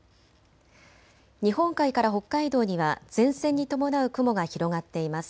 日本海から北海道には前線に伴う雲が広がっています。